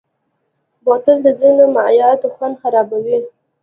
بوتل د ځینو مایعاتو خوند خرابوي.